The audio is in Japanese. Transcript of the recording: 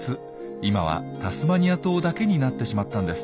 今はタスマニア島だけになってしまったんです。